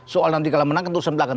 soal nanti kalau menang terus sembelakan